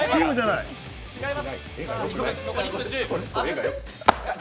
違います。